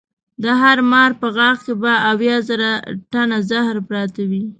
د هر مار په غاښ کې به اویا زره ټنه زهر پراته وي.